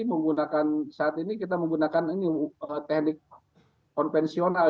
menggunakan saat ini kita menggunakan teknik konvensional